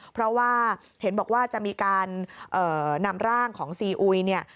เพราะว่าเห็นบอกว่าจะมีการนำร่างของซีอุยเนี่ย